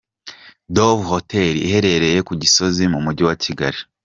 Dove Hotel iherereye ku Gisozi mu Mujyi wa Kigali.